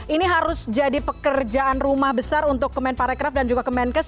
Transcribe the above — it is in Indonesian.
ini harus jadi pekerjaan rumah besar untuk kemenparekraf dan juga kemenkes